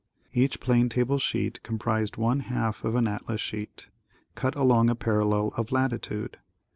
Each plane table sheet comprised one half of an atlas sheet, cut along a parallel of latitude.